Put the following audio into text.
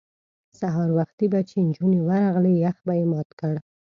سهار وختي به چې نجونې ورغلې یخ به یې مات کړ.